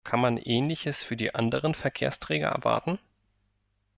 Kann man Ähnliches für die anderen Verkehrsträger erwarten?